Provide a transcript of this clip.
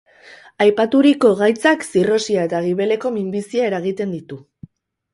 Aipaturiko gaitzak zirrosia eta gibeleko minbizia eragiten ditu.